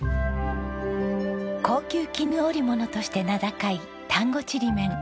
高級絹織物として名高い丹後ちりめん。